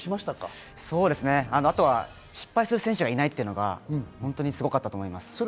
あとは失敗する選手がいないというのがすごかったと思います。